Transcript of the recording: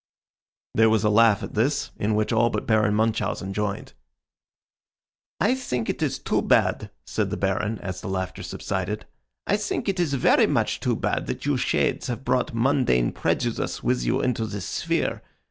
There was a laugh at this, in which all but Baron Munchausen joined. "I think it is too bad," said the Baron, as the laughter subsided "I think it is very much too bad that you shades have brought mundane prejudice with you into this sphere.